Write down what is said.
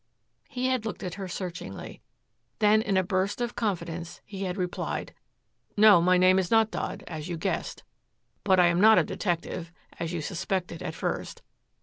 He had looked at her searchingly. Then in a burst of confidence, he had replied, "No, my name is not Dodd, as you guessed. But I am not a detective, as you suspected at first.